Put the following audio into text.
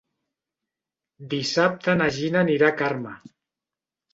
Dissabte na Gina anirà a Carme.